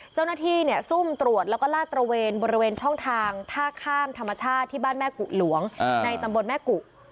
เจ้าหน้าที่เนี่ยซุ่มตรวจแล้วก็ลาดตระเวนบริเวณช่องทางท่าข้ามธรรมชาติที่บ้านแม่กุหลวงในตำบลแม่กุ